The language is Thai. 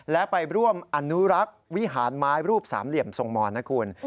และไปร่วมอนุรักษ์วิหารไม้รูปสามเหลี่ยมทรงมรนะคุณ